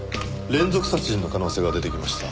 連続殺人の可能性が出てきました。